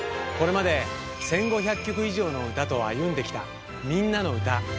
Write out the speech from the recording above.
これまで１５００曲以上のうたと歩んできた「みんなのうた」。